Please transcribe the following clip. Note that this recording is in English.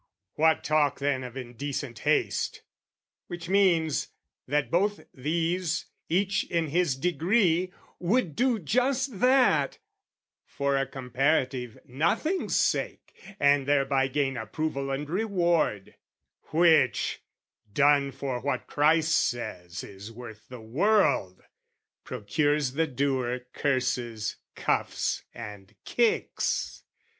What talk then of indecent haste? Which means, That both these, each in his degree, would do Just that, for a comparative nothing's sake, And thereby gain approval and reward Which, done for what Christ says is worth the world, Procures the doer curses, cuffs, and kicks.